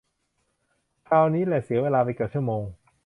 คราวนี้แหละเสียเวลาไปเกือบชั่วโมง